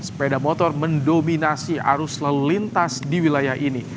sepeda motor mendominasi arus lalu lintas di wilayah ini